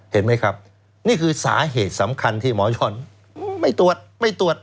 เห็นไหมครับนี่คือสาเหตุสำคัญที่หมอช่อนไม่ตรวจไม่ตรวจ